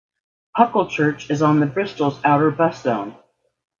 Pucklechurch is on the Bristol's outer bus zone.